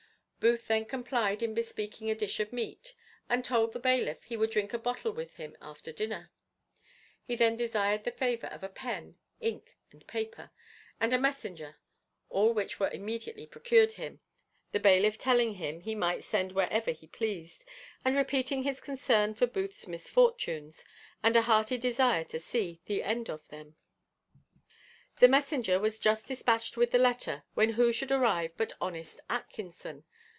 Booth then complied in bespeaking a dish of meat, and told the bailiff he would drink a bottle with him after dinner. He then desired the favour of pen, ink, and paper, and a messenger; all which were immediately procured him, the bailiff telling him he might send wherever he pleased, and repeating his concern for Booth's misfortunes, and a hearty desire to see the end of them. The messenger was just dispatched with the letter, when who should arrive but honest Atkinson?